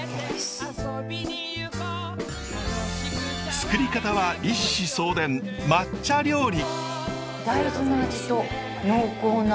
作り方は一子相伝抹茶料理。